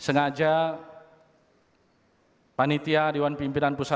namun tiada seindah dulu